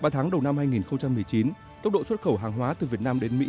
ba tháng đầu năm hai nghìn một mươi chín tốc độ xuất khẩu hàng hóa từ việt nam đến mỹ